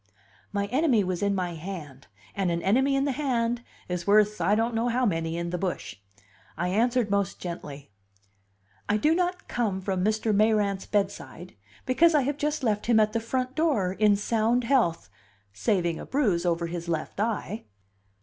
My enemy was in my hand; and an enemy in the hand is worth I don't know how many in the bush. I answered most gently: "I do not come from Mr. Mayrant's bedside, because I have just left him at the front door in sound health saving a bruise over his left eye."